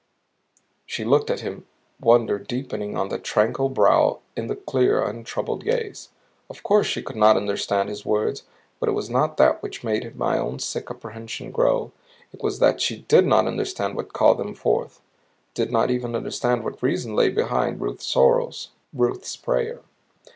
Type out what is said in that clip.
She looked at him, wonder deepening on the tranquil brow, in the clear, untroubled gaze. Of course she could not understand his words but it was not that which made my own sick apprehension grow. It was that she did not understand what called them forth. Did not even understand what reason lay behind Ruth's sorrow, Ruth's prayer.